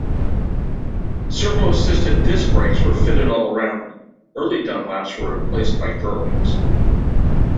Servo-assisted disc brakes were fitted all round: early Dunlops were replaced by Girlings.